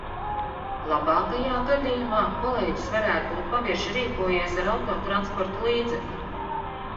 Labākajā gadījumā kolēģis varētu būt pavirši rīkojies ar autotransporta līdzekli.